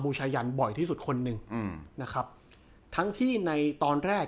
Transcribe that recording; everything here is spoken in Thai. ชายันบ่อยที่สุดคนหนึ่งอืมนะครับทั้งที่ในตอนแรก